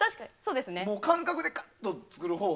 感覚でがっと作るほうが。